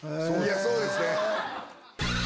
そうですね。